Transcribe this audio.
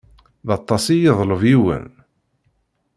D aṭas i yeḍleb yiwen?